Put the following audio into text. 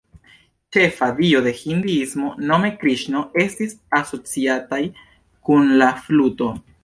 Ĉefa dio de Hinduismo, nome Kriŝno, estis asociataj kun la fluto.